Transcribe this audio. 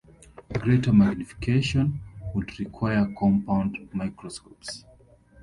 Greater magnification would require compound microscopes.